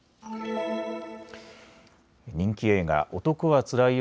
人気映画、男はつらいよ